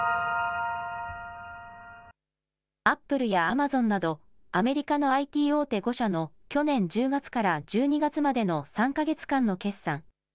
アップルやアマゾンなどアメリカのＩＴ大手５社の去年１０月から１２月までの３か月間の決算。